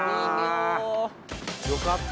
よかった